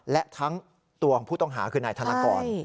และทั้งตัวของผู้ต้องหาคือนายธนกร